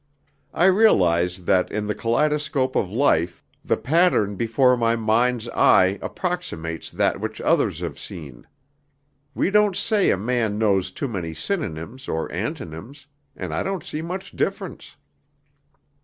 I realize that in the kaleidoscope of life the pattern before my mind's eye approximates that which others have seen. We don't say a man knows too many synonyms or antonyms, and I don't see much difference."